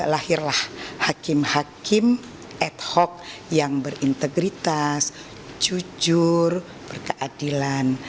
lahirlah hakim hakim ad hoc yang berintegritas jujur berkeadilan